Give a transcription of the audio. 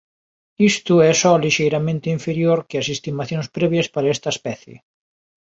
Isto é só lixeiramente inferior que as estimacións previas para esta especie.